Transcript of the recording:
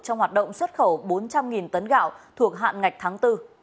trong hoạt động xuất khẩu bốn trăm linh tấn gạo thuộc hạn ngạch tháng bốn